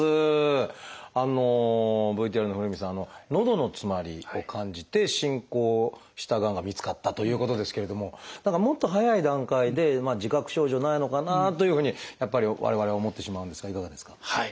ＶＴＲの古海さんのどの詰まりを感じて進行したがんが見つかったということですけれども何かもっと早い段階で自覚症状ないのかなというふうにやっぱり我々は思ってしまうんですがいかがですか？